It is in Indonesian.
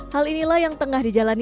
hal inilah yang tengah dijalani